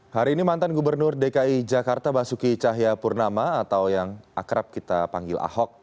hari ini mantan gubernur dki jakarta basuki cahayapurnama atau yang akrab kita panggil ahok